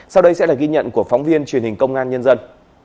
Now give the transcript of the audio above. sau đây sẽ là ghi nhận của phóng viên truyền hình công an nhân dân